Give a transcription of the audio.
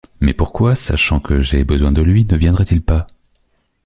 Mais pourquoi, sachant que j’ai besoin de lui, ne viendrait-il pas?